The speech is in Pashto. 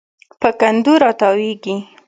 په کنډو راتاویږي